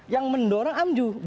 yang mendorong amju